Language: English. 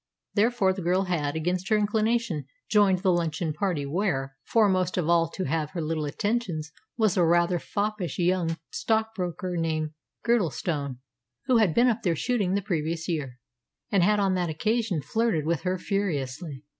Therefore the girl had, against her inclination, joined the luncheon party, where foremost of all to have her little attentions was a rather foppish young stockbroker named Girdlestone, who had been up there shooting the previous year, and had on that occasion flirted with her furiously.